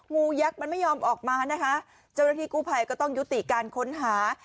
ยักษ์มันไม่ยอมออกมานะคะเจ้าหน้าที่กู้ภัยก็ต้องยุติการค้นหา